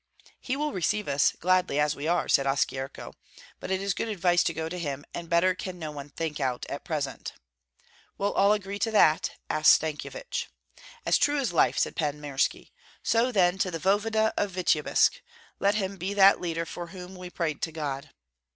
"He will receive us gladly as we are," said Oskyerko. "But it is good advice to go to him, and better can no one think out at present." "Will all agree to that?" asked Stankyevich. "As true as life!" said Pan Mirski. "So then to the voevoda of Vityebsk! Let him be that leader for whom we prayed to God."